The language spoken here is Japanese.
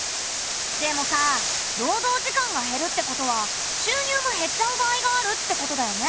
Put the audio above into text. でもさ労働時間が減るってことは収入も減っちゃう場合があるってことだよね。